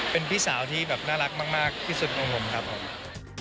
เป็นพี่สาวที่แบบน่ารักมากที่สุดของผมครับผม